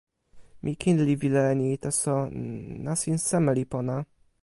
mi kin li wile e ni, taso, n... nasin seme li pona?